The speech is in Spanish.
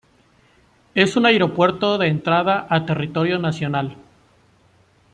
Es un aeropuerto de entrada a territorio nacional.